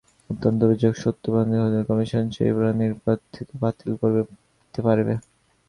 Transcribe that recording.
তদন্তে অভিযোগ সত্য প্রমাণিত হলে কমিশন সেই প্রার্থীর প্রার্থিতা বাতিল করতে পারবে।